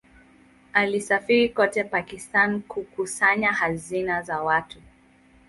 Alisafiri kote Pakistan kukusanya hazina za watu.